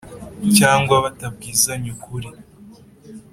cyangwa batabwizanya ukuri.